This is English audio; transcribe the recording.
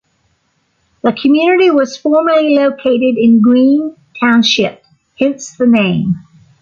The community was formerly located in Green Township, hence the name.